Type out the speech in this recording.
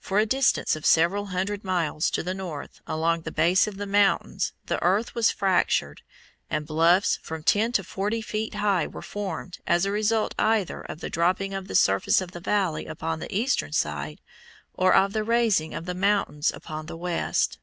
For a distance of several hundred miles to the north along the base of the mountains the earth was fractured, and bluffs from ten to forty feet high were formed as a result either of the dropping of the surface of the valley upon the eastern side, or of the raising of the mountains upon the west.